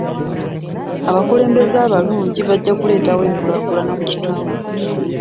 Abakulembeze abalungi bajja kuleetawo enkulaakulana mu kitundu.